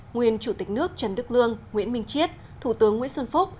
nguyên chủ tịch nước trần đức lương nguyễn minh chiết thủ tướng nguyễn xuân phúc